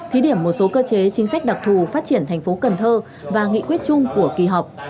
thí điểm một số cơ chế chính sách đặc thù phát triển thành phố cần thơ và nghị quyết chung của kỳ họp